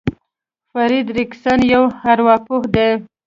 فرېډ ريکسن يو ارواپوه دی.